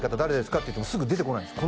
っていってもすぐ出てこないんです